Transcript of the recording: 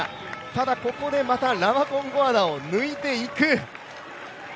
ただここでラマコンゴアナを抜いていく。